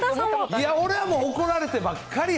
いや、もう、俺は怒られてばっかり。